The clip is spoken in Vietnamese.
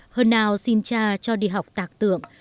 hơn ao xin cha cho đi học tạc tượng